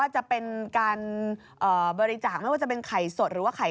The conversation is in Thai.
จะร้องขอมา